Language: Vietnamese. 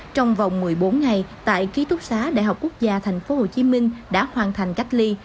trong vòng một mươi bốn ngày tại ký túc xá đại học quốc gia tp hcm đã hoàn thành cách ly